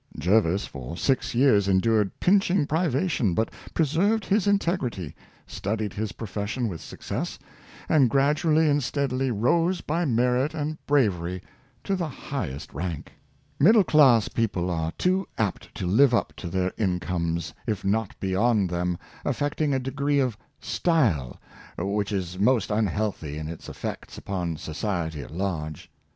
"" Jervis for six years endured pinching privation, but preserved his integrity, studied his profession with success, and gradually and steadily rose by merit and bravery to the highest rank. Middle class people are too apt to live up to their incomes, if not be yond them, affecting a degree of " style " which is most 384 Living too High, unhealthy in its effects upon society at large.